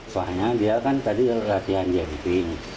soalnya dia kan tadi latihan dia gitu ini